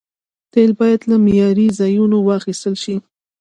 تیل باید له معياري ځایونو واخیستل شي.